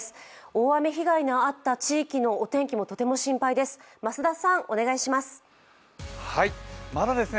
大雨被害のあった地域のお天気もとても心配です。